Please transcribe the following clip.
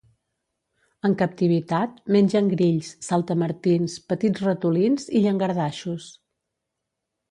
En captivitat, mengen grills, saltamartins, petits ratolins i llangardaixos.